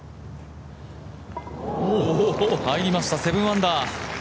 おお、入りました、７アンダー。